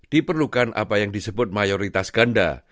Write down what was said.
diperlukan apa yang disebut mayoritas ganda